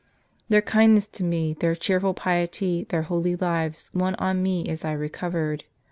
" Their kindness to me, their cheerful piety, their holy lives, won on me as I recovered.